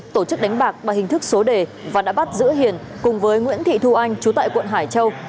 tổ chức đánh bạc bằng hình thức số đề và đã bắt giữ hiền cùng với nguyễn thị thu anh chú tại quận hải châu